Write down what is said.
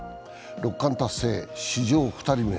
六冠達成、史上２人目。